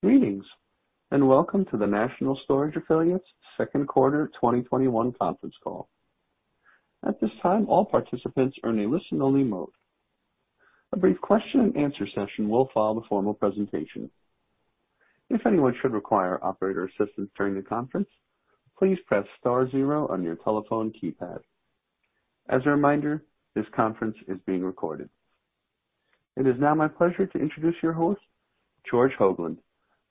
Greetings, and welcome to the National Storage Affiliates Trust Q2 2021 conference call. It is now my pleasure to introduce your host, George Hoglund,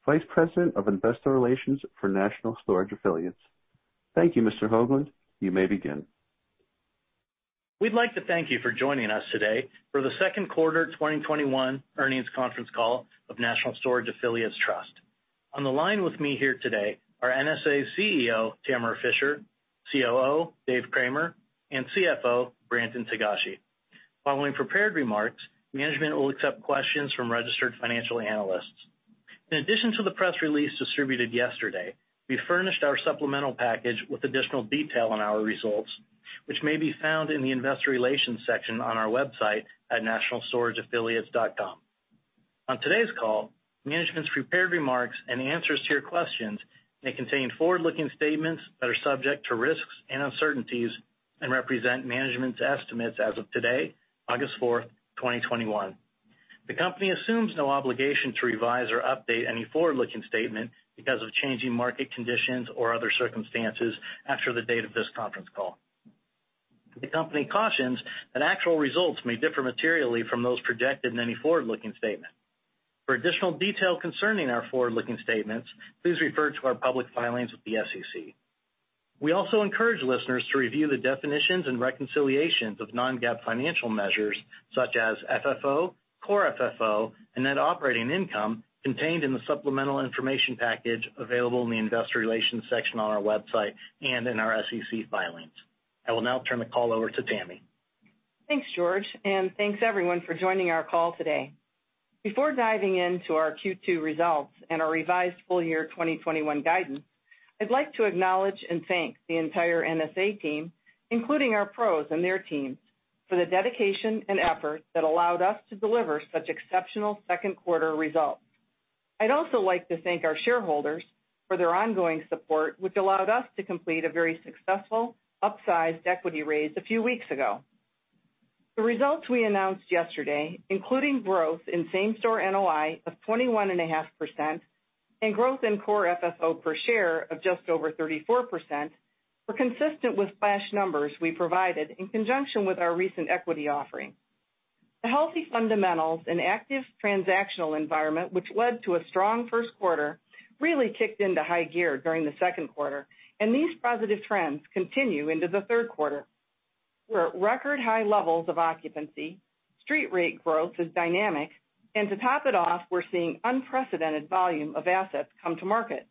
Vice President of Investor Relations for National Storage Affiliates Trust. Thank you, Mr. Hoglund. You may begin. We'd like to thank you for joining us today for the Q2 2021 earnings conference call of National Storage Affiliates Trust. On the line with me here today are NSA's CEO, Tamara Fischer, COO, Dave Cramer, and CFO, Brandon Togashi. Following prepared remarks, management will accept questions from registered financial analysts. In addition to the press release distributed yesterday, we furnished our supplemental package with additional detail on our results, which may be found in the investor relations section on our website at nationalstorageaffiliates.com. On today's call, management's prepared remarks and answers to your questions may contain forward-looking statements that are subject to risks and uncertainties and represent management's estimates as of today, 4 August 2021. The company assumes no obligation to revise or update any forward-looking statement because of changing market conditions or other circumstances after the date of this conference call. The company cautions that actual results may differ materially from those projected in any forward-looking statement. For additional detail concerning our forward-looking statements, please refer to our public filings with the SEC. We also encourage listeners to review the definitions and reconciliations of non-GAAP financial measures such as FFO, Core FFO, and net operating income contained in the supplemental information package available in the investor relations section on our website and in our SEC filings. I will now turn the call over to Tammy. Thanks, George, and thanks everyone for joining our call today. Before diving into our Q2 results and our revised full year 2021 guidance, I'd like to acknowledge and thank the entire NSA team, including our PROs and their teams, for the dedication and effort that allowed us to deliver such exceptional Q2 results. I'd also like to thank our shareholders for their ongoing support, which allowed us to complete a very successful upsized equity raise a few weeks ago. The results we announced yesterday, including growth in same-store NOI of 21.5% and growth in Core FFO per share of just over 34%, were consistent with flash numbers we provided in conjunction with our recent equity offering. The healthy fundamentals and active transactional environment, which led to a strong Q1, really kicked into high gear during the Q2. These positive trends continue into the Q3. We're at record high levels of occupancy, street rate growth is dynamic. To top it off, we're seeing unprecedented volume of assets come to market.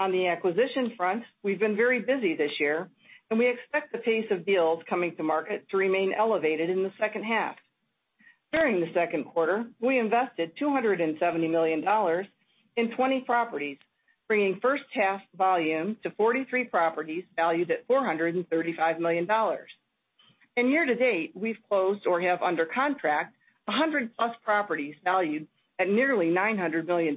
On the acquisition front, we've been very busy this year. We expect the pace of deals coming to market to remain elevated in the H2. During the Q2, we invested $270 million in 20 properties, bringing first half volume to 43 properties valued at $435 million. Year to date, we've closed or have under contract 100-plus properties valued at nearly $900 million.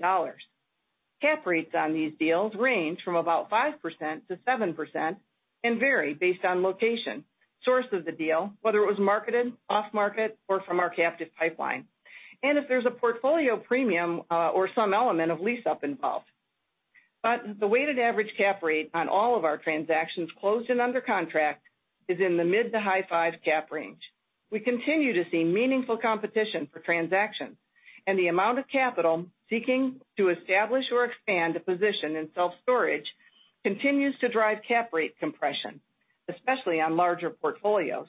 Cap rates on these deals range from about 5%-7% and vary based on location, source of the deal, whether it was marketed, off-market, or from our captive pipeline, and if there's a portfolio premium, or some element of lease-up involved. The weighted average cap rate on all of our transactions closed and under contract is in the mid to high 5s cap range. We continue to see meaningful competition for transactions, and the amount of capital seeking to establish or expand a position in self-storage continues to drive cap rate compression, especially on larger portfolios.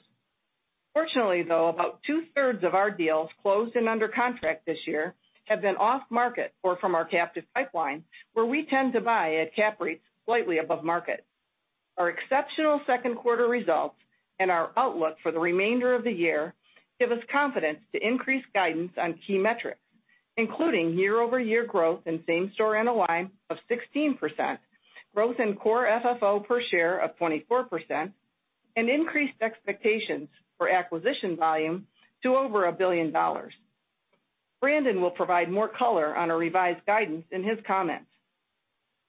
Fortunately, though, about 2/3 of our deals closed and under contract this year have been off-market or from our captive pipeline, where we tend to buy at cap rates slightly above market. Our exceptional Q2 results and our outlook for the remainder of the year give us confidence to increase guidance on key metrics, including year-over-year growth in same-store NOI of 16%, growth in Core FFO per share of 24%, and increased expectations for acquisition volume to over $1 billion. Brandon Togashi will provide more color on our revised guidance in his comments.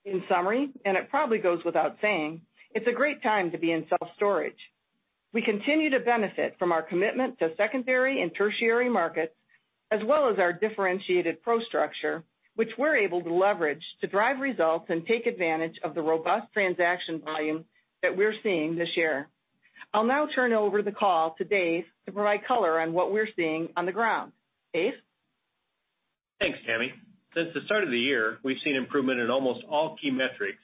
In summary, and it probably goes without saying, it's a great time to be in self-storage. We continue to benefit from our commitment to secondary and tertiary markets, as well as our differentiated PRO structure, which we're able to leverage to drive results and take advantage of the robust transaction volume that we're seeing this year. I'll now turn over the call to Dave to provide color on what we're seeing on the ground. Dave? Thanks, Tammy. Since the start of the year, we've seen improvement in almost all key metrics.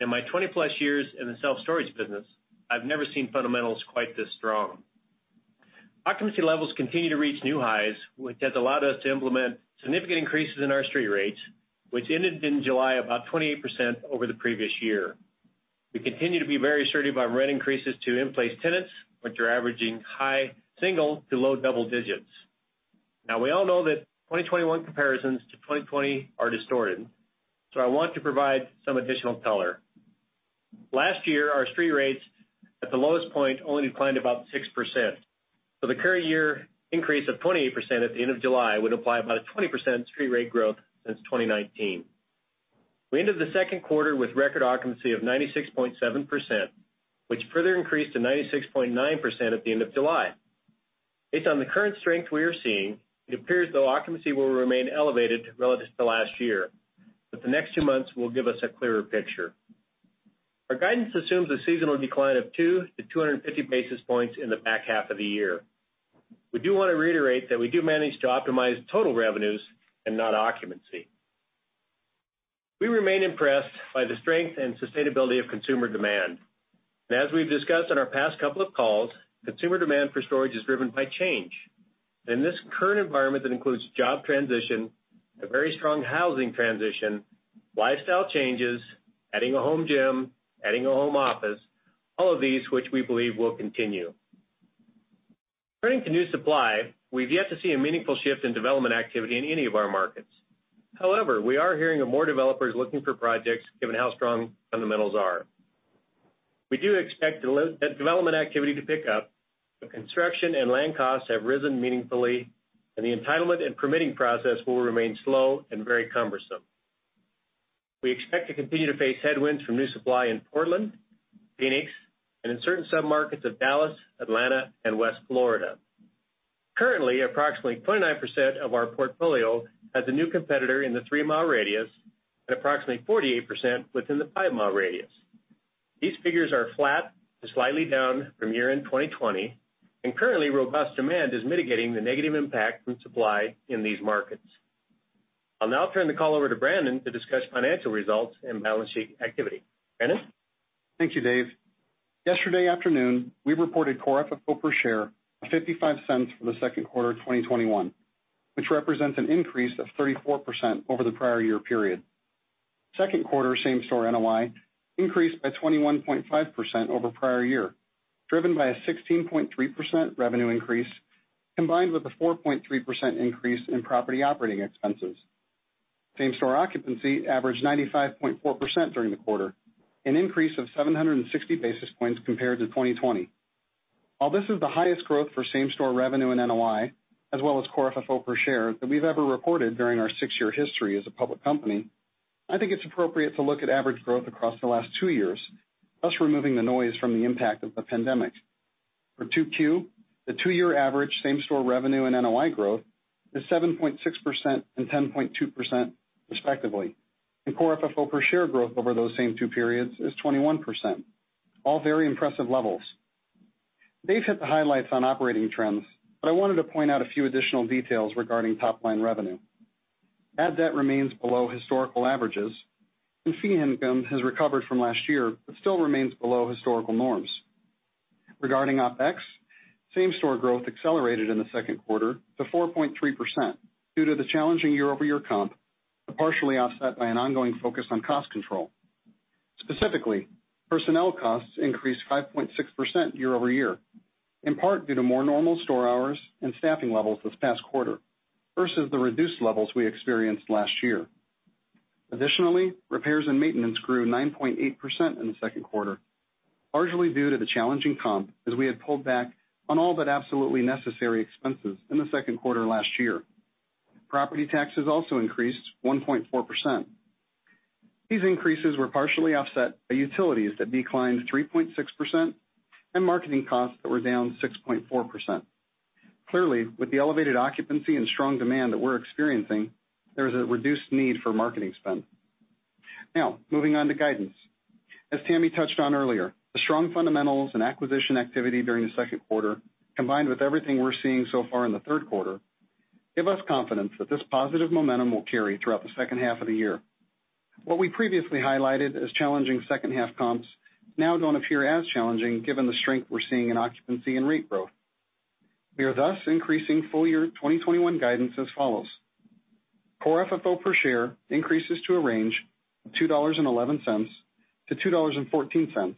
In my 20+ years in the self-storage business, I've never seen fundamentals quite this strong. Occupancy levels continue to reach new highs, which has allowed us to implement significant increases in our street rates, which ended in July about 28% over the previous year. We continue to be very assertive on rent increases to in-place tenants, which are averaging high single to low double digits. Now, we all know that 2021 comparisons to 2020 are distorted, so I want to provide some additional color. Last year, our street rates at the lowest point only declined about 6%. The current year increase of 28% at the end of July would imply about a 20% street rate growth since 2019. We ended the Q2 with record occupancy of 96.7%, which further increased to 96.9% at the end of July. Based on the current strength we are seeing, it appears though occupancy will remain elevated relative to last year, but the next two months will give us a clearer picture. Our guidance assumes a seasonal decline of 2-250 basis points in the back half of the year. We do want to reiterate that we do manage to optimize total revenues and not occupancy. We remain impressed by the strength and sustainability of consumer demand. As we've discussed on our past couple of calls, consumer demand for storage is driven by change. In this current environment, that includes job transition, a very strong housing transition, lifestyle changes, adding a home gym, adding a home office, all of these which we believe will continue. Turning to new supply, we've yet to see a meaningful shift in development activity in any of our markets. However, we are hearing of more developers looking for projects given how strong fundamentals are. We do expect development activity to pick up, but construction and land costs have risen meaningfully, and the entitlement and permitting process will remain slow and very cumbersome. We expect to continue to face headwinds from new supply in Portland, Phoenix, and in certain sub-markets of Dallas, Atlanta, and West Florida. Currently, approximately 29% of our portfolio has a new competitor in the three-mile radius and approximately 48% within the five-mile radius. These figures are flat to slightly down from year-end 2020, and currently, robust demand is mitigating the negative impact from supply in these markets. I'll now turn the call over to Brandon to discuss financial results and balance sheet activity. Brandon? Thank you, Dave. Yesterday afternoon, we reported Core FFO per share of $0.55 for the Q2 of 2021, which represents an increase of 34% over the prior year period. Q2 same-store NOI increased by 21.5% over prior year, driven by a 16.3% revenue increase combined with a 4.3% increase in property operating expenses. Same-store occupancy averaged 95.4% during the quarter, an increase of 760 basis points compared to 2020. While this is the highest growth for same-store revenue and NOI, as well as Core FFO per share that we've ever reported during our six-year history as a public company, I think it's appropriate to look at average growth across the last two years, thus removing the noise from the impact of the pandemic. For 2Q, the two-year average same-store revenue and NOI growth is 7.6% and 10.2% respectively. Core FFO per share growth over those same two periods is 21%. All very impressive levels. Dave hit the highlights on operating trends, but I wanted to point out a few additional details regarding top-line revenue. Add that remains below historical averages and fee income has recovered from last year, but still remains below historical norms. Regarding OpEx, same-store growth accelerated in the Q2 to 4.3% due to the challenging year-over-year comp, but partially offset by an ongoing focus on cost control. Specifically, personnel costs increased 5.6% year-over-year, in part due to more normal store hours and staffing levels this past quarter versus the reduced levels we experienced last year. Additionally, repairs and maintenance grew 9.8% in the Q2, largely due to the challenging comp as we had pulled back on all but absolutely necessary expenses in the Q2 last year. Property taxes also increased 1.4%. These increases were partially offset by utilities that declined 3.6% and marketing costs that were down 6.4%. Clearly, with the elevated occupancy and strong demand that we're experiencing, there's a reduced need for marketing spend. Moving on to guidance. As Tammy touched on earlier, the strong fundamentals and acquisition activity during the Q2, combined with everything we're seeing so far in the Q3, give us confidence that this positive momentum will carry throughout the H2 of the year. What we previously highlighted as challenging H2 comps now don't appear as challenging given the strength we're seeing in occupancy and rate growth. We are thus increasing full-year 2021 guidance as follows. Core FFO per share increases to a range of $2.11-$2.14,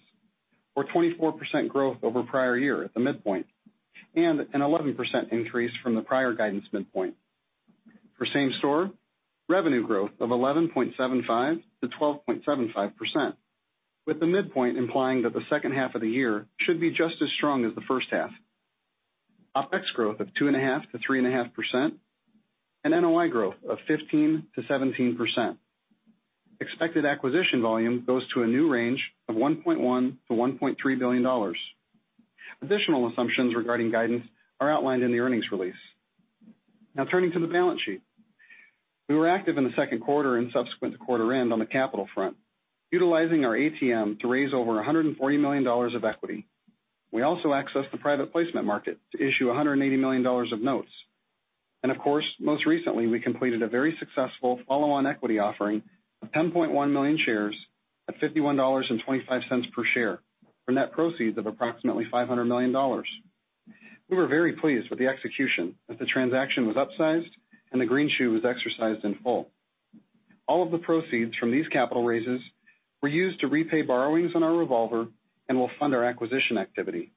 or 24% growth over prior year at the midpoint, and an 11% increase from the prior guidance midpoint. For same store, revenue growth of 11.75%-12.75%, with the midpoint implying that the H2 of the year should be just as strong as the first half. OpEx growth of 2.5%-3.5%, and NOI growth of 15%-17%. Expected acquisition volume goes to a new range of $1.1 billion-$1.3 billion. Additional assumptions regarding guidance are outlined in the earnings release. Now turning to the balance sheet. We were active in the Q2 and subsequent to quarter end on the capital front, utilizing our ATM to raise over $140 million of equity. We also accessed the private placement market to issue $180 million of notes. Of course, most recently, we completed a very successful follow-on equity offering of 10.1 million shares at $51.25 per share for net proceeds of approximately $500 million. We were very pleased with the execution as the transaction was upsized and the greenshoe was exercised in full. All of the proceeds from these capital raises were used to repay borrowings on our revolver and will fund our acquisition activity.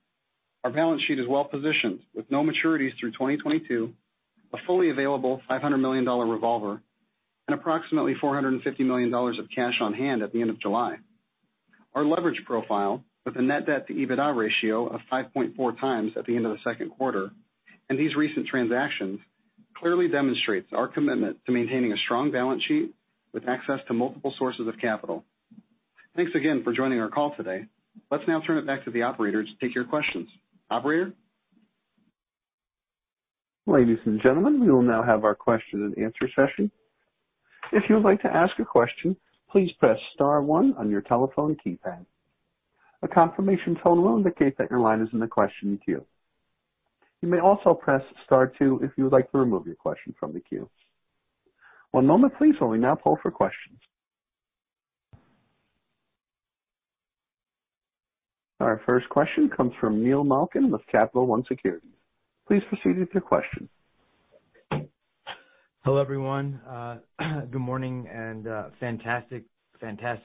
Our balance sheet is well-positioned with no maturities through 2022, a fully available $500 million revolver, and approximately $450 million of cash on hand at the end of July. Our leverage profile, with a net debt to EBITDA ratio of 5.4 times at the end of the Q2, and these recent transactions clearly demonstrates our commitment to maintaining a strong balance sheet with access to multiple sources of capital. Thanks again for joining our call today. Let's now turn it back to the operator to take your questions. Operator? Ladies and gentlemen, we will now have our question and answer session. If you would like to ask a question, please press star one on your telephone keypad. A confirmation tone will indicate that your line is in the question queue. You may also press star two if you would like to remove your question from the queue. One moment, please, while we now poll for questions. Our first question comes from Neil Malkin with Capital One Securities. Please proceed with your question. Hello, everyone. Good morning, and fantastic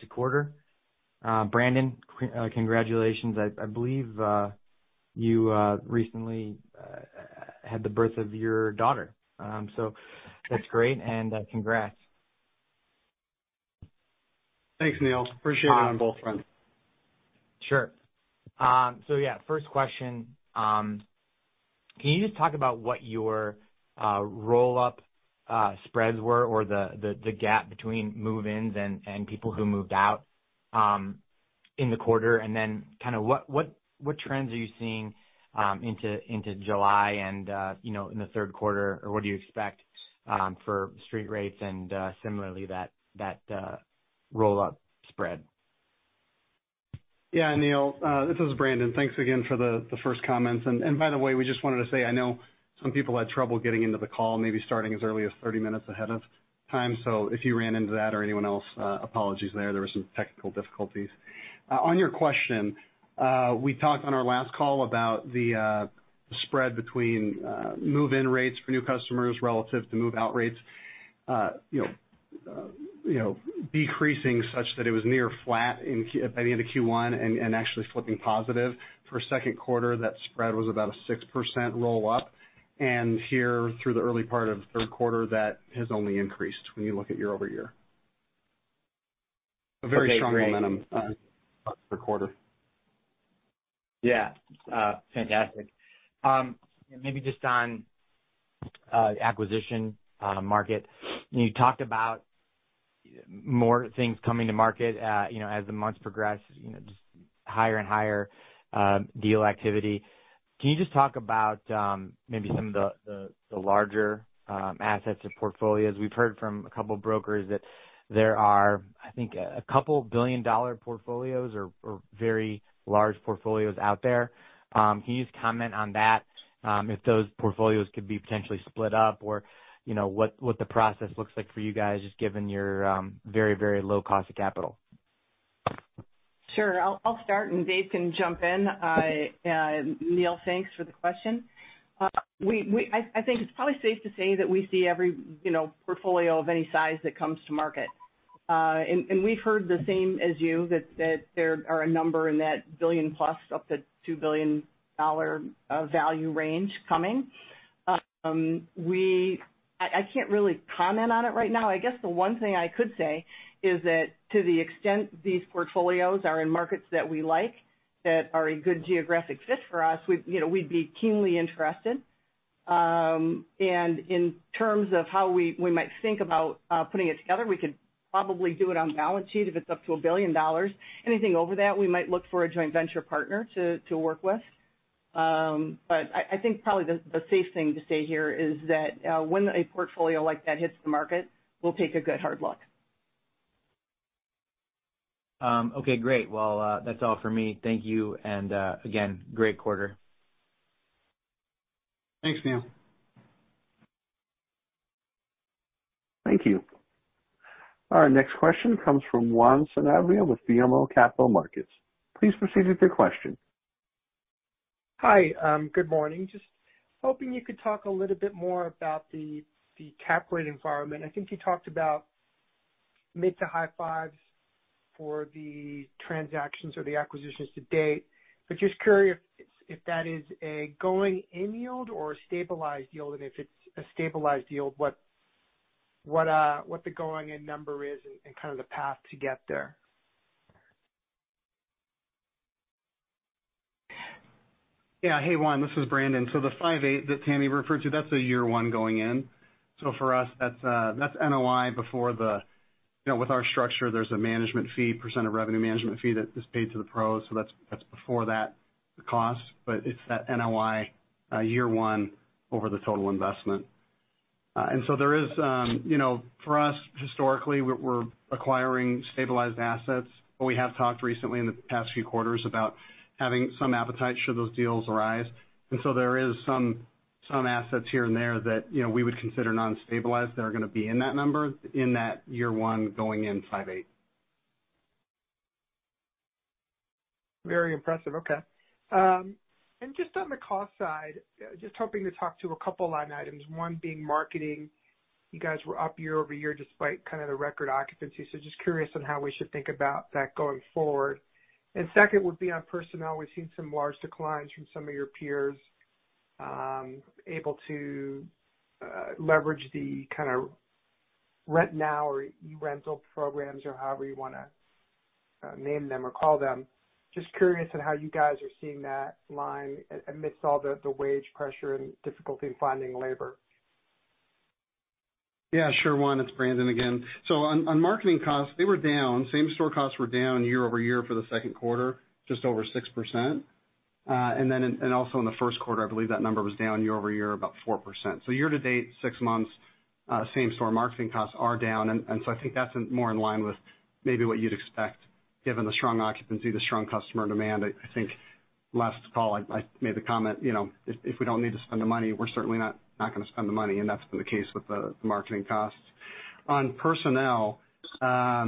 quarter. Brandon, congratulations. I believe you recently had the birth of your daughter. That's great, and congrats. Thanks, Neil. Appreciate it on both fronts. Sure. Yeah, first question. Can you just talk about what your roll-up spreads were or the gap between move-ins and people who moved out in the quarter? What trends are you seeing into July and in the Q3? What do you expect for street rates and similarly, that roll-up spread? Yeah, Neil, this is Brandon. Thanks again for the first comments. By the way, we just wanted to say, I know some people had trouble getting into the call, maybe starting as early as 30 minutes ahead of time. If you ran into that or anyone else, apologies there. There were some technical difficulties. On your question, we talked on our last call about the spread between move-in rates for new customers relative to move-out rates decreasing such that it was near flat by the end of Q1 and actually flipping positive. For Q2, that spread was about a 6% roll-up. Here through the early part of Q3, that has only increased when you look at year-over-year. Okay, great. A very strong momentum per quarter. Yeah. Fantastic. Maybe just on acquisition market. You talked about more things coming to market as the months progress, just higher and higher deal activity. Can you just talk about maybe some of the larger assets or portfolios? We've heard from a couple of brokers that there are, I think, a couple billion-dollar portfolios or very large portfolios out there. Can you just comment on that, if those portfolios could be potentially split up or what the process looks like for you guys, just given your very low cost of capital? Sure. I'll start and Dave can jump in. Neil, thanks for the question. I think it's probably safe to say that we see every portfolio of any size that comes to market. We've heard the same as you that there are a number in that $1 billion plus up to $2 billion value range coming. I can't really comment on it right now. I guess the one thing I could say is that to the extent these portfolios are in markets that we like, that are a good geographic fit for us, we'd be keenly interested. In terms of how we might think about putting it together, we could probably do it on balance sheet if it's up to $1 billion. Anything over that, we might look for a joint venture partner to work with. I think probably the safe thing to say here is that when a portfolio like that hits the market, we'll take a good hard look. Okay, great. Well, that's all for me. Thank you, and again, great quarter. Thanks, Neil. Thank you. Our next question comes from Juan Sanabria with BMO Capital Markets. Please proceed with your question. Hi. Good morning. Just hoping you could talk a little bit more about the cap rate environment. I think you talked about mid to high 5s for the transactions or the acquisitions to date, but just curious if that is a going in yield or a stabilized yield. If it's a stabilized yield, what the going in number is and kind of the path to get there. Yeah. Hey, Juan, this is Brandon. The 5.8% that Tammy referred to, that's a year one going in. For us, that's NOI. With our structure, there's a management fee, % of revenue management fee that is paid to the PROs. That's before that cost, but it's that NOI year one over the total investment. For us, historically, we're acquiring stabilized assets, but we have talked recently in the past few quarters about having some appetite should those deals arise. There is some assets here and there that we would consider non-stabilized that are going to be in that number in that year one going in 5.8%. Very impressive. Okay. Just on the cost side, just hoping to talk to a couple line items, one being marketing. You guys were up year-over-year despite kind of the record occupancy. Just curious on how we should think about that going forward. Second would be on personnel. We've seen some large declines from some of your peers able to leverage the kind of rent now or e-rental programs or however you want to name them or call them. Just curious on how you guys are seeing that line amidst all the wage pressure and difficulty in finding labor. Yeah, sure, Juan. It's Brandon again. On marketing costs, they were down. Same store costs were down year-over-year for the Q2, just over 6%. Also in the Q1, I believe that number was down year-over-year about 4%. Year to date, six months, same store marketing costs are down. I think that's more in line with maybe what you'd expect given the strong occupancy, the strong customer demand. I think last call I made the comment, if we don't need to spend the money, we're certainly not going to spend the money, and that's been the case with the marketing costs. On personnel, I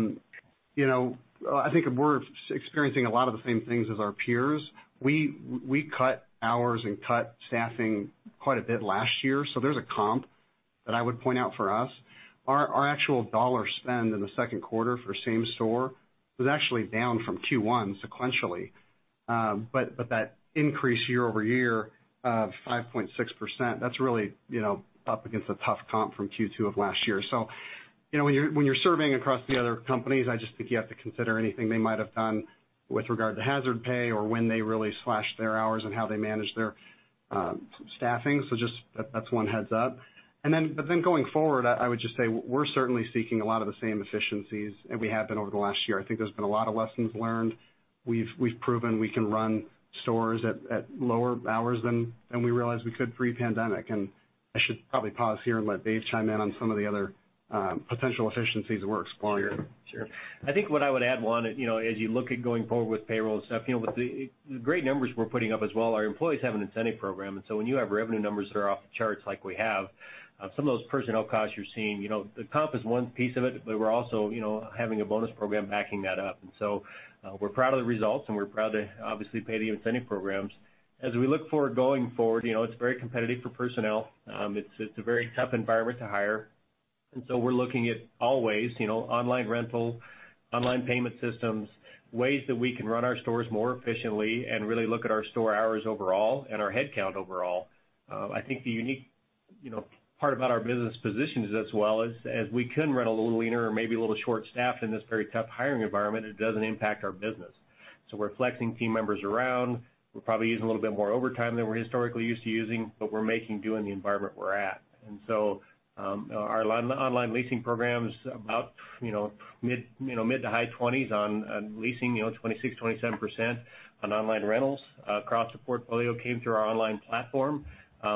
think we're experiencing a lot of the same things as our peers. We cut hours and cut staffing quite a bit last year. There's a comp that I would point out for us. Our actual dollar spend in the Q2 for same store was actually down from Q1 sequentially. That increase year-over-year of 5.6%, that's really up against a tough comp from Q2 of last year. When you're surveying across the other companies, I just think you have to consider anything they might have done with regard to hazard pay or when they really slashed their hours and how they managed their staffing. Going forward, I would just say we're certainly seeking a lot of the same efficiencies as we have been over the last year. I think there's been a lot of lessons learned. We've proven we can run stores at lower hours than we realized we could pre-pandemic. I should probably pause here and let Dave chime in on some of the other potential efficiencies that we're exploring. Sure. I think what I would add, Juan, as you look at going forward with payroll and stuff, with the great numbers we're putting up as well, our employees have an incentive program. When you have revenue numbers that are off the charts like we have, some of those personnel costs you're seeing, the comp is one piece of it, but we're also having a bonus program backing that up. We're proud of the results, and we're proud to obviously pay the incentive programs. As we look forward going forward, it's very competitive for personnel. It's a very tough environment to hire. We're looking at always, online rental, online payment systems, ways that we can run our stores more efficiently and really look at our store hours overall and our headcount overall. I think the unique part about our business positions as well is as we can run a little leaner or maybe a little short-staffed in this very tough hiring environment, it doesn't impact our business. We're flexing team members around. We're probably using a little bit more overtime than we're historically used to using, but we're making do in the environment we're at. Our online leasing program's about mid to high 20s on leasing, 26%, 27% on online rentals across the portfolio came through our online platform.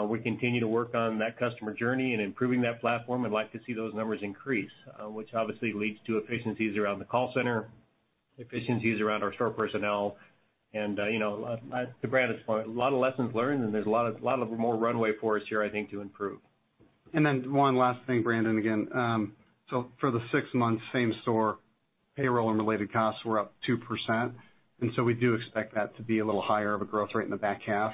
We continue to work on that customer journey and improving that platform and like to see those numbers increase, which obviously leads to efficiencies around the call center, efficiencies around our store personnel. To Brandon's point, a lot of lessons learned, and there's a lot of more runway for us here, I think, to improve. One last thing, Brandon, again. For the six months same store, payroll and related costs were up 2%, we do expect that to be a little higher of a growth rate in the back half.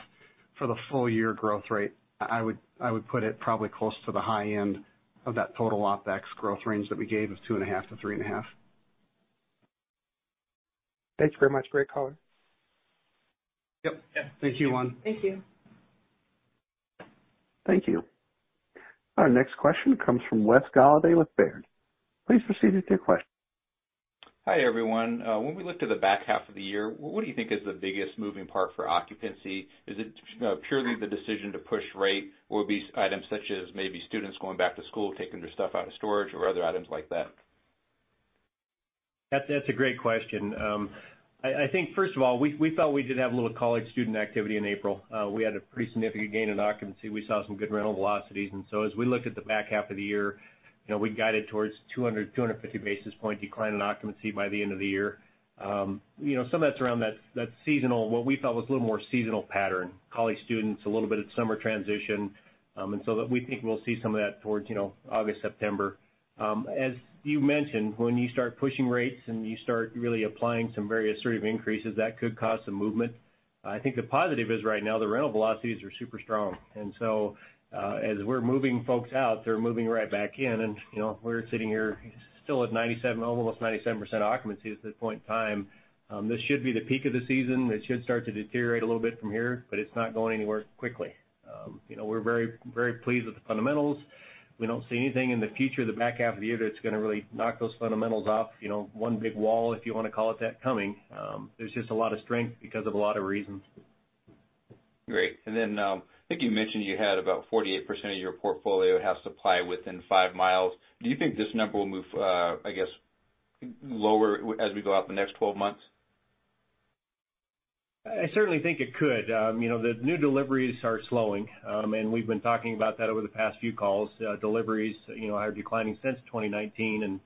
For the full year growth rate, I would put it probably close to the high end of that total OpEx growth range that we gave of 2.5%-3.5%. Thanks very much. Great call. Yep. Thank you, Juan. Thank you. Thank you. Our next question comes from Wes Golladay with Baird. Please proceed with your question. Hi, everyone. When we look to the back half of the year, what do you think is the biggest moving part for occupancy? Is it purely the decision to push rate or be items such as maybe students going back to school taking their stuff out of storage or other items like that? That's a great question. I think first of all, we felt we did have a little college student activity in April. We had a pretty significant gain in occupancy. We saw some good rental velocities, and so as we look at the back half of the year, we guided towards 200, 250 basis point decline in occupancy by the end of the year. Some of that's around that seasonal, what we felt was a little more seasonal pattern. College students, a little bit of summer transition. We think we'll see some of that towards August, September. As you mentioned, when you start pushing rates and you start really applying some very assertive increases, that could cause some movement. I think the positive is right now, the rental velocities are super strong. As we're moving folks out, they're moving right back in and we're sitting here still at 97, almost 97% occupancy at this point in time. This should be the peak of the season. It should start to deteriorate a little bit from here, but it's not going anywhere quickly. We're very pleased with the fundamentals. We don't see anything in the future, the back half of the year, that's going to really knock those fundamentals off one big wall, if you want to call it that, coming. There's just a lot of strength because of a lot of reasons. Great. Then, I think you mentioned you had about 48% of your portfolio has supply within five miles. Do you think this number will move, I guess, lower as we go out the next 12 months? I certainly think it could. The new deliveries are slowing. We've been talking about that over the past few calls. Deliveries are declining since 2019, and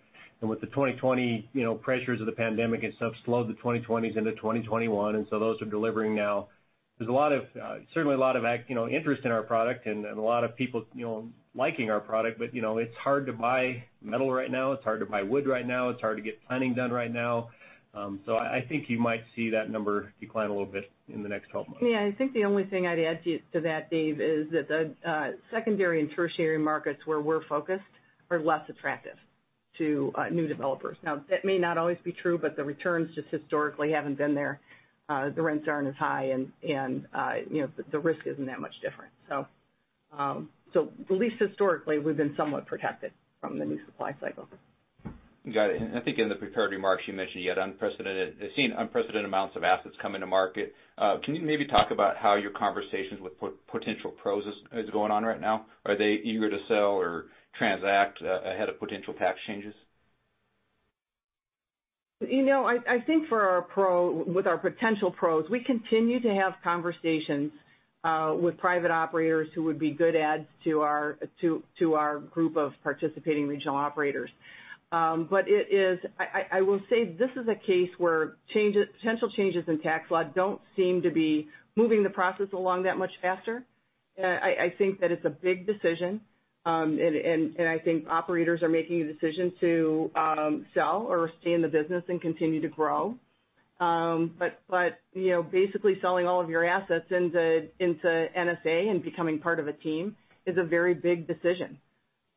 with the 2020 pressures of the pandemic and stuff slowed the 2020s into 2021, and so those are delivering now. There's certainly a lot of interest in our product and a lot of people liking our product. It's hard to buy metal right now. It's hard to buy wood right now. It's hard to get planning done right now. I think you might see that number decline a little bit in the next 12 months. Yeah, I think the only thing I'd add to that, Dave, is that the secondary and tertiary markets where we're focused are less attractive. To new developers. Now, that may not always be true, but the returns just historically haven't been there. The rents aren't as high, and the risk isn't that much different. At least historically, we've been somewhat protected from the new supply cycle. Got it. I think in the prepared remarks, you mentioned you had seen unprecedented amounts of assets come into market. Can you maybe talk about how your conversations with potential PROs is going on right now? Are they eager to sell or transact ahead of potential tax changes? I think with our potential PROs, we continue to have conversations with private operators who would be good adds to our group of participating regional operators. I will say this is a case where potential changes in tax law don't seem to be moving the process along that much faster. I think that it's a big decision, and I think operators are making a decision to sell or stay in the business and continue to grow. Basically, selling all of your assets into NSA and becoming part of a team is a very big decision.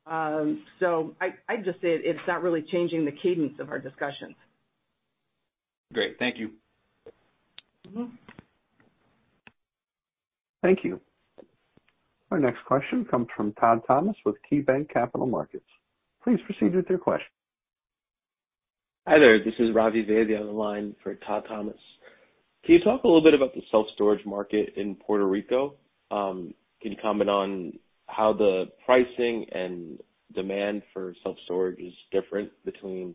I'd just say it's not really changing the cadence of our discussions. Great. Thank you. Thank you. Our next question comes from Todd Thomas with KeyBanc Capital Markets. Please proceed with your question. Hi there. This is Ravi Vaidya on the line for Todd Thomas. Can you talk a little bit about the self-storage market in Puerto Rico? Can you comment on how the pricing and demand for self-storage is different between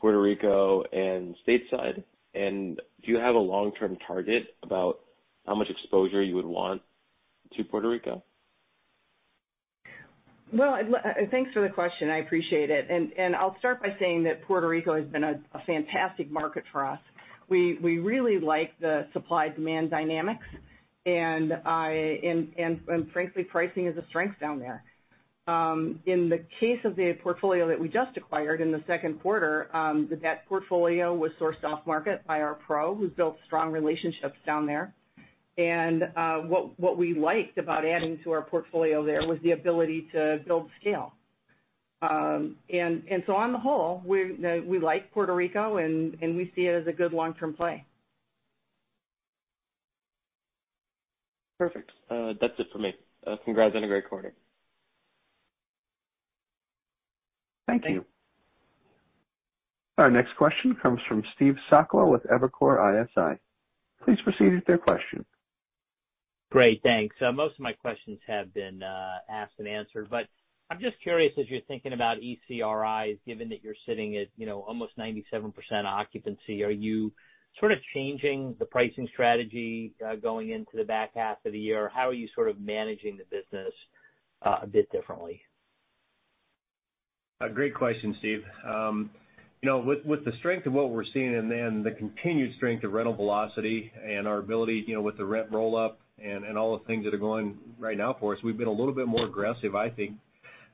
Puerto Rico and stateside? Do you have a long-term target about how much exposure you would want to Puerto Rico? Thanks for the question. I appreciate it. I'll start by saying that Puerto Rico has been a fantastic market for us. We really like the supply-demand dynamics, and frankly, pricing is a strength down there. In the case of the portfolio that we just acquired in the Q2, that portfolio was sourced off-market by our PRO, who's built strong relationships down there. What we liked about adding to our portfolio there was the ability to build scale. On the whole, we like Puerto Rico, and we see it as a good long-term play. Perfect. That's it for me. Congrats on a great quarter. Thank you. Our next question comes from Steve Sakwa with Evercore ISI. Please proceed with your question. Great. Thanks. Most of my questions have been asked and answered, but I'm just curious, as you're thinking about ECRI, given that you're sitting at almost 97% occupancy, are you sort of changing the pricing strategy going into the back half of the year? How are you sort of managing the business a bit differently? A great question, Steve. With the strength of what we're seeing and then the continued strength of rental velocity and our ability with the rent roll-up and all the things that are going right now for us, we've been a little bit more aggressive, I think,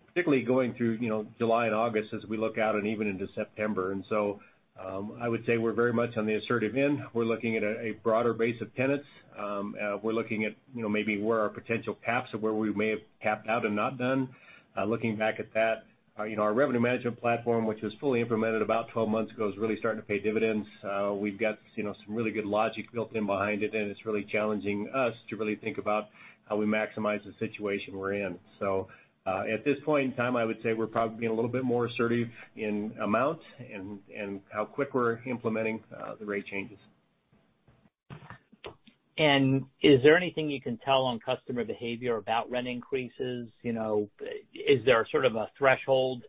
particularly going through July and August as we look out and even into September. I would say we're very much on the assertive end. We're looking at a broader base of tenants. We're looking at maybe where our potential caps are, where we may have capped out and not done. Looking back at that, our revenue management platform, which was fully implemented about 12 months ago, is really starting to pay dividends. We've got some really good logic built in behind it, and it's really challenging us to really think about how we maximize the situation we're in. At this point in time, I would say we're probably being a little bit more assertive in amount and how quick we're implementing the rate changes. Is there anything you can tell on customer behavior about rent increases? Is there sort of a threshold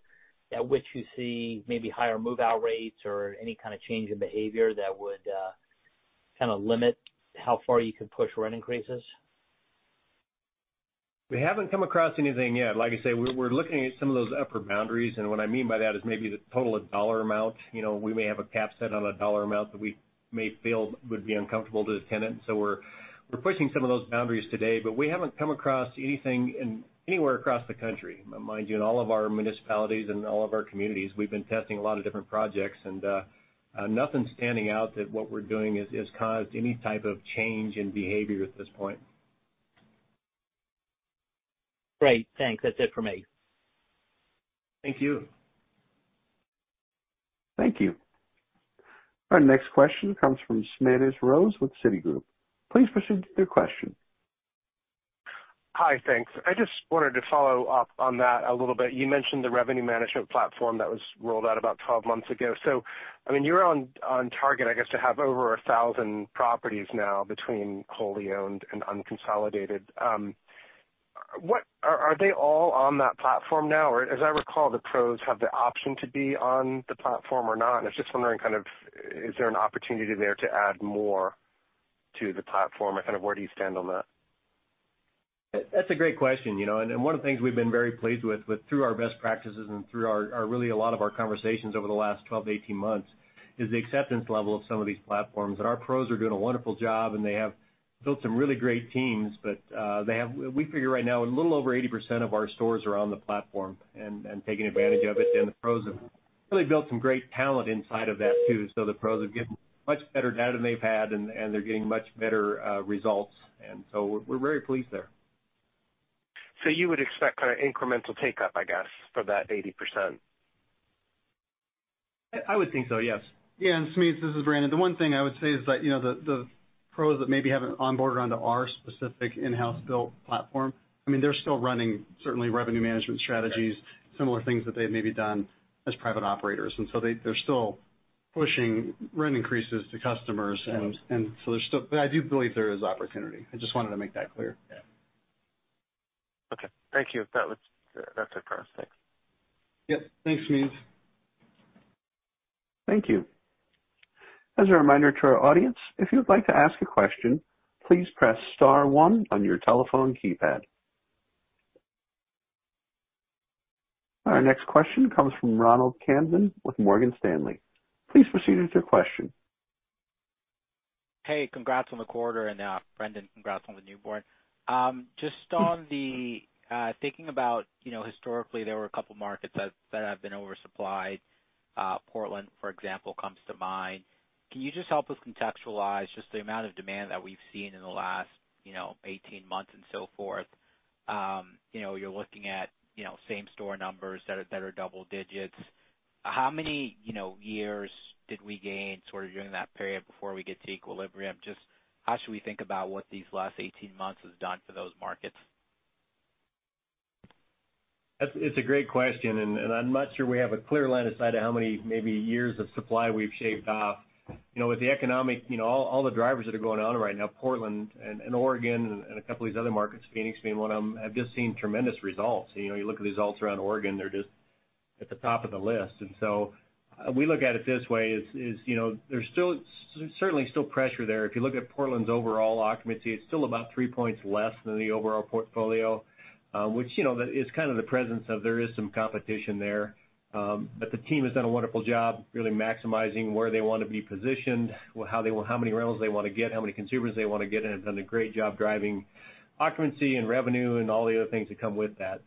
at which you see maybe higher move-out rates or any kind of change in behavior that would kind of limit how far you can push rent increases? We haven't come across anything yet. Like I say, we're looking at some of those upper boundaries, and what I mean by that is maybe the total dollar amount. We may have a cap set on a dollar amount that we may feel would be uncomfortable to the tenant. We're pushing some of those boundaries today, but we haven't come across anything anywhere across the country. Mind you, in all of our municipalities and all of our communities, we've been testing a lot of different projects, and nothing's standing out that what we're doing has caused any type of change in behavior at this point. Great. Thanks. That's it for me. Thank you. Thank you. Our next question comes from Smedes Rose with Citigroup. Please proceed with your question. Hi. Thanks. I just wanted to follow up on that a little bit. You mentioned the revenue management platform that was rolled out about 12 months ago. You're on target, I guess, to have over 1,000 properties now between wholly owned and unconsolidated. Are they all on that platform now? As I recall, the PROs have the option to be on the platform or not, and I was just wondering kind of, is there an opportunity there to add more to the platform? Kind of where do you stand on that? That's a great question. One of the things we've been very pleased with through our best practices and through really a lot of our conversations over the last 12-18 months is the acceptance level of some of these platforms. Our pros are doing a wonderful job, and they have built some really great teams. We figure right now, a little over 80% of our stores are on the platform and taking advantage of it, and the pros have really built some great talent inside of that, too. The pros are getting much better data than they've had, and they're getting much better results, and so we're very pleased there. You would expect kind of incremental take-up, I guess, for that 80%? I would think so, yes. Yeah, Smedes, this is Brandon. The one thing I would say is that the PROs that maybe haven't onboarded onto our specific in-house built platform, they're still running certainly revenue management strategies, similar things that they had maybe done as private operators. They're still pushing rent increases to customers. I do believe there is opportunity. I just wanted to make that clear. Okay. Thank you. That's it for us. Thanks. Yep. Thanks, Smedes Rose. Thank you. As a reminder to our audience, if you would like to ask a question, please press star one on your telephone keypad. Our next question comes from Ronald Kamdem with Morgan Stanley. Please proceed with your question. Hey, congrats on the quarter, and Brandon, congrats on the newborn. Thinking about historically, there were a couple markets that have been oversupplied. Portland, for example, comes to mind. Can you just help us contextualize just the amount of demand that we've seen in the last 18 months and so forth? You're looking at same store numbers that are double digits. How many years did we gain sort of during that period before we get to equilibrium? Just how should we think about what these last 18 months has done for those markets? It's a great question. I'm not sure we have a clear line of sight of how many maybe years of supply we've shaved off. With all the drivers that are going on right now, Portland and Oregon and a couple of these other markets, Phoenix being one of them, have just seen tremendous results. You look at the results around Oregon, they're just at the top of the list. We look at it this way, there's certainly still pressure there. If you look at Portland's overall occupancy, it's still about three points less than the overall portfolio, which is kind of the presence of there is some competition there. The team has done a wonderful job really maximizing where they want to be positioned, how many rentals they want to get, how many consumers they want to get, and have done a great job driving occupancy and revenue and all the other things that come with that.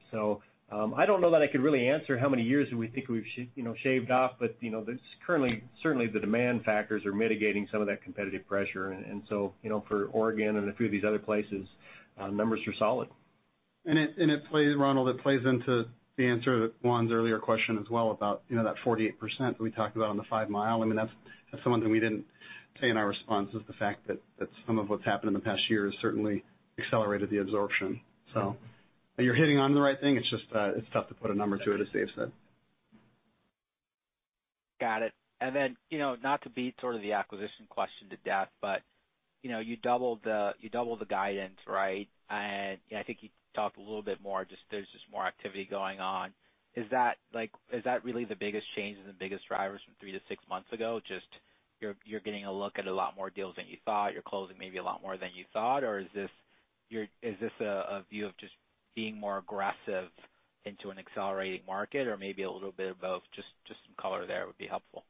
I don't know that I could really answer how many years do we think we've shaved off, but currently, certainly the demand factors are mitigating some of that competitive pressure. For Oregon and a few of these other places, numbers are solid. Ronald, it plays into the answer to Juan's earlier question as well about that 48% that we talked about on the Five Mile. That's something we didn't say in our response is the fact that some of what's happened in the past year has certainly accelerated the absorption. You're hitting on the right thing. It's just, it's tough to put a number to it, as Dave said. Got it. Not to beat sort of the acquisition question to death, but you doubled the guidance, right? I think you talked a little bit more, just there's just more activity going on. Is that really the biggest change and the biggest drivers from three to six months ago? You're getting a look at a lot more deals than you thought, you're closing maybe a lot more than you thought, or is this a view of just being more aggressive into an accelerating market or maybe a little bit of both? Some color there would be helpful.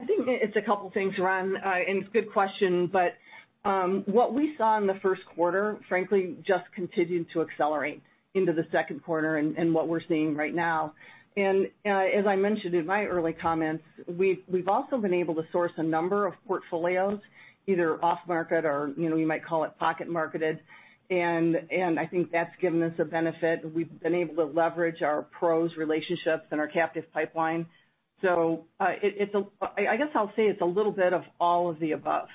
I think it's a couple things, Ron, and it's a good question, but what we saw in the 1st quarter, frankly, just continued to accelerate into the 2nd quarter and what we're seeing right now. As I mentioned in my early comments, we've also been able to source a number of portfolios, either off market or you might call it pocket marketed, and I think that's given us a benefit. We've been able to leverage our PROs relationships and our captive pipeline. I guess I'll say it's a little bit of all of the above.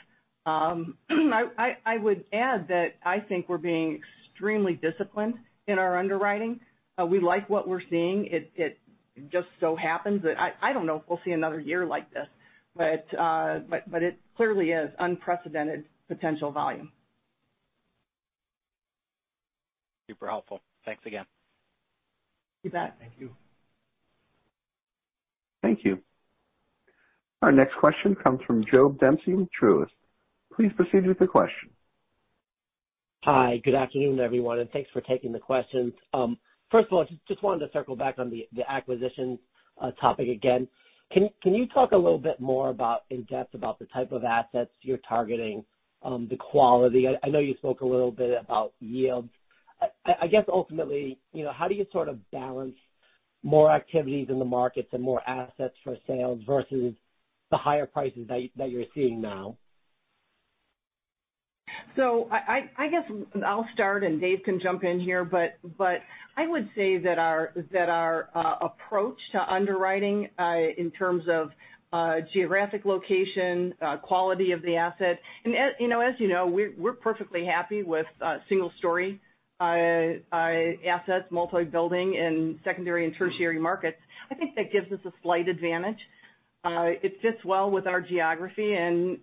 I would add that I think we're being extremely disciplined in our underwriting. We like what we're seeing. It just so happens that I don't know if we'll see another year like this, but it clearly is unprecedented potential volume. Super helpful. Thanks again. You bet. Thank you. Thank you. Our next question comes from Joe Bempsin with Truist. Please proceed with your question. Hi. Good afternoon, everyone, and thanks for taking the questions. First of all, just wanted to circle back on the acquisitions topic again. Can you talk a little bit more about in-depth about the type of assets you're targeting, the quality? I know you spoke a little bit about yields. I guess ultimately, how do you sort of balance more activities in the markets and more assets for sales versus the higher prices that you're seeing now? I guess I'll start, and Dave can jump in here, but I would say that our approach to underwriting, in terms of geographic location, quality of the asset, and as you know, we're perfectly happy with single-story assets, multi-building, and secondary and tertiary markets. I think that gives us a slight advantage. It fits well with our geography, and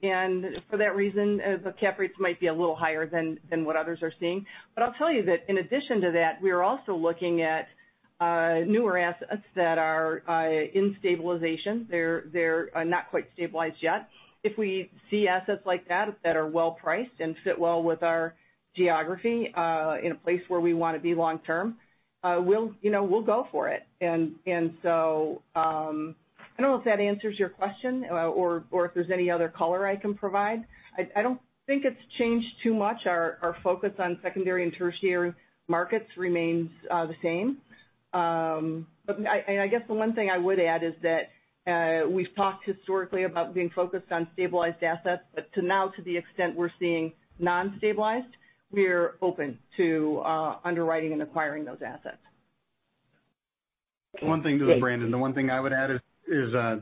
for that reason, the cap rates might be a little higher than what others are seeing. I'll tell you that in addition to that, we are also looking at newer assets that are in stabilization. They're not quite stabilized yet. If we see assets like that are well-priced and fit well with our geography, in a place where we want to be long-term, we'll go for it. I don't know if that answers your question or if there's any other color I can provide. I don't think it's changed too much. Our focus on secondary and tertiary markets remains the same. I guess the one thing I would add is that we've talked historically about being focused on stabilized assets, but to now to the extent we're seeing non-stabilized, we're open to underwriting and acquiring those assets. One thing, this is Brandon. The one thing I would add is,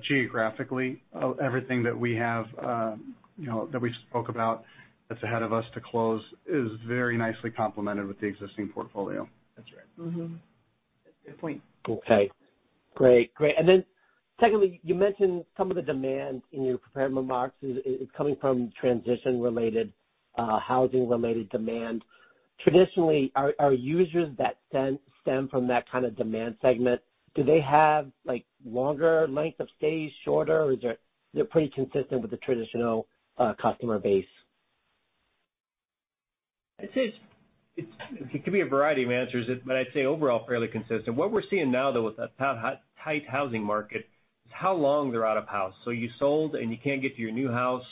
geographically, everything that we have that we spoke about that's ahead of us to close is very nicely complemented with the existing portfolio. That's right. Mm-hmm. That's a good point. Okay. Great. Secondly, you mentioned some of the demand in your prepared remarks is coming from transition-related, housing-related demand. Traditionally, our users that stem from that kind of demand segment, do they have longer length of stays, shorter, or is it pretty consistent with the traditional customer base? It could be a variety of answers, but I'd say overall, fairly consistent. What we're seeing now, though, with the tight housing market, is how long they're out of house. You sold and you can't get your new house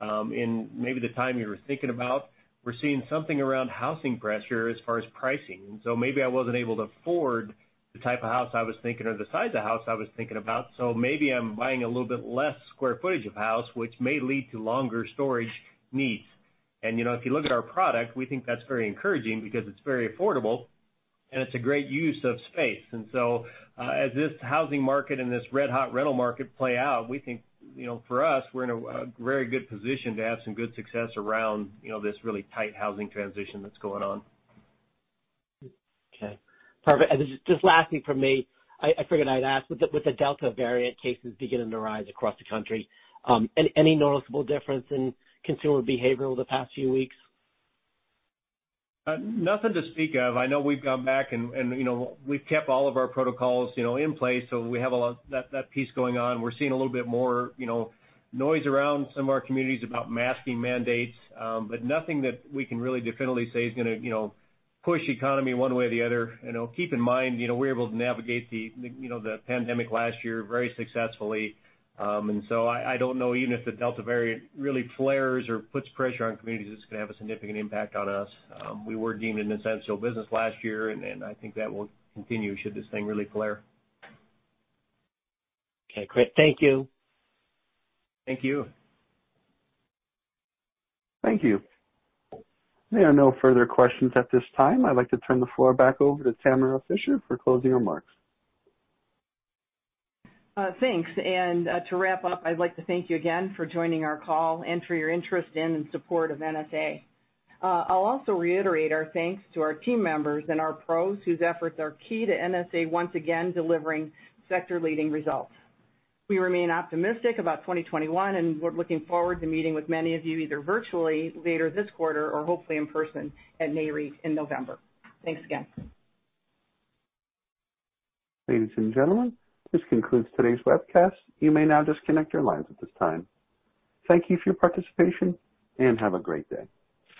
in maybe the time you were thinking about. We're seeing something around housing pressure as far as pricing. Maybe I wasn't able to afford the type of house I was thinking or the size of the house I was thinking about, so maybe I'm buying a little bit less square footage of house, which may lead to longer storage needs. If you look at our product, we think that's very encouraging because it's very affordable, and it's a great use of space. As this housing market and this red-hot rental market play out, we think, for us, we're in a very good position to have some good success around this really tight housing transition that's going on. Okay. Perfect. This is just lastly from me. I figured I'd ask, with the Delta variant cases beginning to rise across the country, any noticeable difference in consumer behavior over the past few weeks? Nothing to speak of. I know we've come back and we've kept all of our protocols in place, so we have that piece going on. We're seeing a little bit more noise around some of our communities about masking mandates. Nothing that we can really definitively say is going to push economy one way or the other. Keep in mind, we were able to navigate the pandemic last year very successfully. I don't know, even if the Delta variant really flares or puts pressure on communities, it's going to have a significant impact on us. We were deemed an essential business last year, and I think that will continue should this thing really flare. Okay, great. Thank you. Thank you. Thank you. There are no further questions at this time. I'd like to turn the floor back over to Tamara Fischer for closing remarks. Thanks. To wrap up, I'd like to thank you again for joining our call and for your interest in and support of NSA. I'll also reiterate our thanks to our team members and our PROs whose efforts are key to NSA once again delivering sector-leading results. We remain optimistic about 2021, and we're looking forward to meeting with many of you either virtually later this quarter or hopefully in person at Nareit in November. Thanks again. Ladies and gentlemen, this concludes today's webcast. You may now disconnect your lines at this time. Thank you for your participation. Have a great day.